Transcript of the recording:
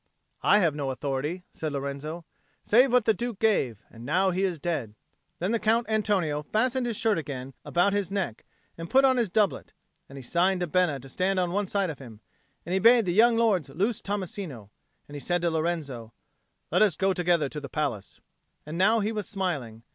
"I have no authority," said Lorenzo, "save what the Duke gave; and now he is dead." Then the Count Antonio fastened his shirt again about his neck and put on his doublet; and he signed to Bena to stand on one side of him, and he bade the young lords loose Tommasino. And he said to Lorenzo, "Let us go together to the palace." And now he was smiling.